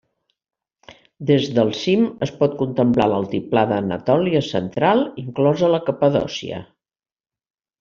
Des del cim es pot contemplar l'altiplà d'Anatòlia central, inclosa la Capadòcia.